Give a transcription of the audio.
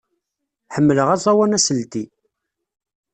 Ḥemmleɣ aẓawan aselti.